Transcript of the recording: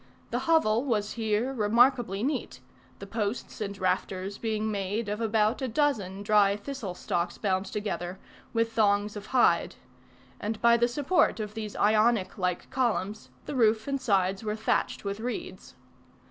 The hovel was here remarkably neat, the posts and rafters being made of about a dozen dry thistle stalks bound together with thongs of hide; and by the support of these Ionic like columns, the roof and sides were thatched with reeds.